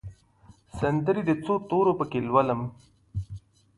سندرې د څو تورو پکښې لولم